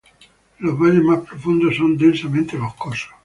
Los valles más profundos son densamente boscosos.